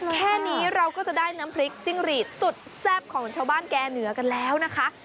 แค่นี้เราก็จะได้น้ำพริกจิ้งหรีดสุดแซ่บของชาวบ้านแก่เหนือกันแล้วนะคะ